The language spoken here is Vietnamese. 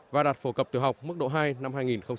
và đạt phổ cập tiểu học mức độ hai năm hai nghìn một mươi tám